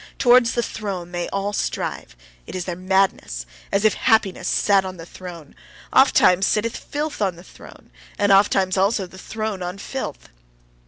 Towards the throne they all strive: it is their madness as if happiness sat on the throne! Ofttimes sitteth filth on the throne. and ofttimes also the throne on filth.